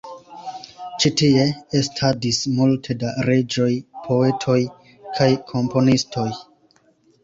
Ĉi tie estadis multe da reĝoj, poetoj kaj komponistoj.